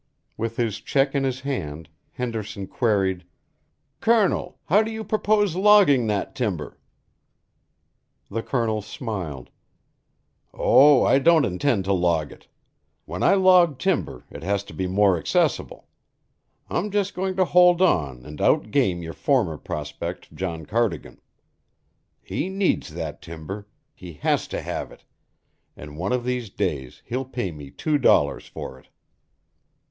With his check in his hand, Henderson queried: "Colonel, how do you purpose logging that timber?" The Colonel smiled. "Oh, I don't intend to log it. When I log timber, it has to be more accessible. I'm just going to hold on and outgame your former prospect, John Cardigan. He needs that timber; he has to have it and one of these days he'll pay me two dollars for it."